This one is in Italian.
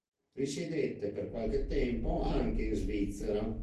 Risiedette per qualche tempo anche in Svizzera.